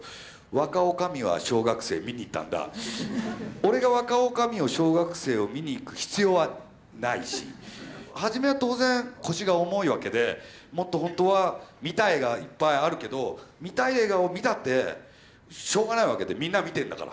俺が「若おかみは小学生！」を見に行く必要はないし初めは当然腰が重いわけでもっとほんとは見たい映画がいっぱいあるけど見たい映画を見たってしょうがないわけでみんなが見てるんだから。